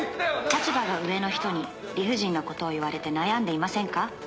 「立場が上の人に理不尽な事を言われて悩んでいませんか？」